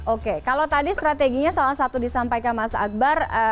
oke kalau tadi strateginya salah satu disampaikan mas akbar